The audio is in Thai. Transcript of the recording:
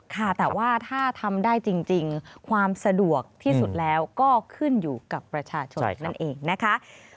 ค่ะแต่ว่าถ้าทำได้จริงความสะดวกที่สุดแล้วก็ขึ้นอยู่กับประชาชนนั่นเองนะคะ